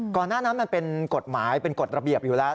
หน้านั้นมันเป็นกฎหมายเป็นกฎระเบียบอยู่แล้ว